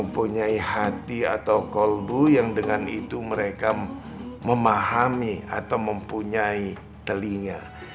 mempunyai hati atau kolbu yang dengan itu mereka memahami atau mempunyai telinga